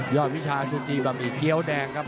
วิชาซูจีบะหมี่เกี้ยวแดงครับ